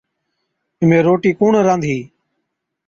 اِمھين روٽِي ڪُوڻ رانڌِي؟